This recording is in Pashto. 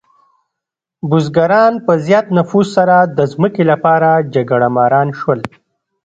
بزګران په زیات نفوس سره د ځمکې لپاره جګړهماران شول.